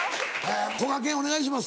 こがけんお願いします。